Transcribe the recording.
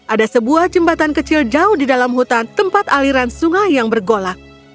ada sebuah jembatan kecil jauh di dalam hutan tempat aliran sungai yang bergolak